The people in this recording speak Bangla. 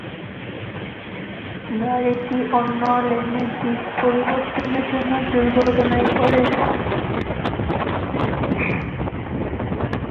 গাড়িটি অন্য লেনে দিক পরিবর্তনের জন্য দুর্ঘটনায় পড়ে।